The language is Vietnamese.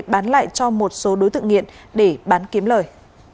bán lại cho một số đối tượng nghiện để bán kiếm lời